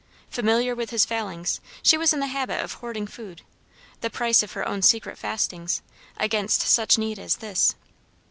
Familiar with his failings, she was in the habit of hoarding food, the price of her own secret fastings, against such need as this.